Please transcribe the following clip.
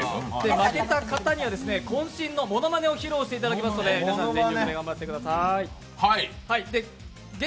負けた方には、こん身のものまねを披露していただきますので、頑張ってください。